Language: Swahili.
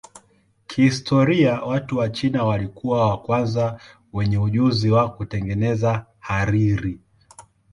Kihistoria watu wa China walikuwa wa kwanza wenye ujuzi wa kutengeneza hariri.